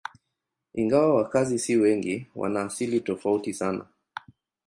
Ingawa wakazi si wengi, wana asili tofauti sana.